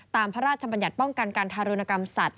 พระราชบัญญัติป้องกันการทารุณกรรมสัตว